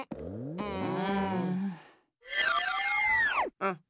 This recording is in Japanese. うん。